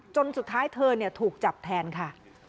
จนสุดท้ายเธอถูกจับแทนค่ะ